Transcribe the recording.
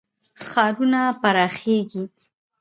ښارونه پراخیږي.